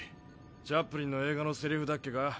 チャップリンの映画のセリフだっけか。